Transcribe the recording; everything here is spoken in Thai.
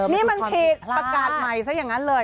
นี่มันผิดประกาศใหม่ซะอย่างนั้นเลย